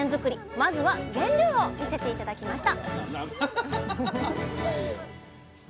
まずは原料を見せて頂きました